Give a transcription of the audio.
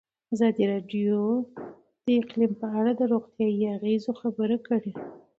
ازادي راډیو د اقلیم په اړه د روغتیایي اغېزو خبره کړې.